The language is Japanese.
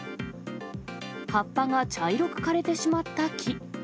葉っぱが茶色く枯れてしまった木。